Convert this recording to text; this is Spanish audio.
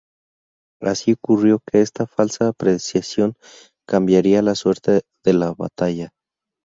Así ocurrió que esta falsa apreciación cambiaría la suerte de la batalla.